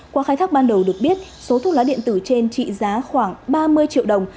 qua khai thác ban đầu được biết số thuốc lá điện tử trên trị giá khoảng ba mươi triệu đồng